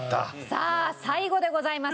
さあ最後でございます。